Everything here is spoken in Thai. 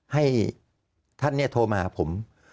ให้ท่านเนี่ยโทรมาหาผม